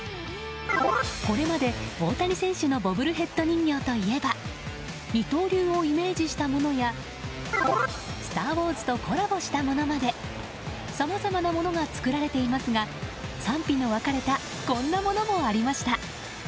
これまで大谷選手のボブルヘッド人形といえば二刀流をイメージしたものやスター・ウォーズとコラボしたものまでさまざまなものが作られていますが賛否の分かれたこんなものもありました。